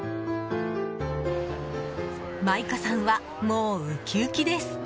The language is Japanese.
マイカさんは、もうウキウキです。